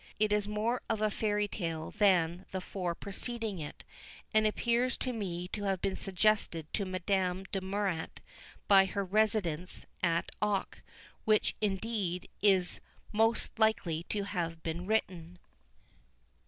It is more of a fairy tale than the four preceding it, and appears to me to have been suggested to Madame de Murat by her residence at Auch, where, indeed, it is most likely to have been written.